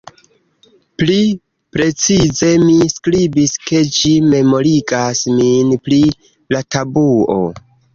Pli precize, mi skribis ke ĝi "memorigas min" pri la tabuo.